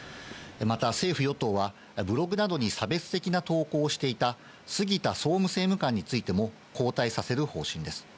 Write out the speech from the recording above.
また政府与党はブログなどに差別的な投稿をしていた杉田総務政務官についても交代させる方針です。